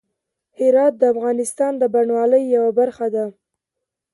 هرات د افغانستان د بڼوالۍ یوه برخه ده.